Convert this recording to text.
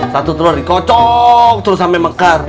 satu telur dikocok terus sampe mekar